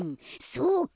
そうか。